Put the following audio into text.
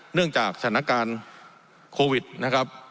เนื่องจากสถานการณ์โควิดนะครับ